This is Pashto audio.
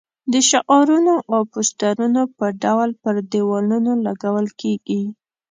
د شعارونو او پوسټرونو په ډول پر دېوالونو لګول کېږي.